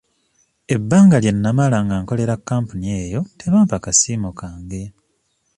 Ebbanga lye namala nga nkolera kampuni eyo tebampa kasiimo kange.